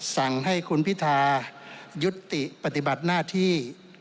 สั่งให้คุณพิทายุติปฏิบัติหน้าที่